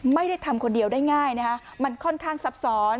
ไม่ได้ทำคนเดียวได้ง่ายนะคะมันค่อนข้างซับซ้อน